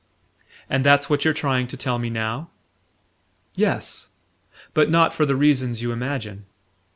"And that's what you're trying to tell me now?" "Yes; but not for the reasons you imagine."